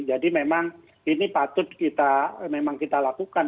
jadi memang ini patut kita memang kita lakukan